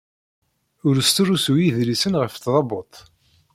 Ur srusuy idlisen ɣef tdabut.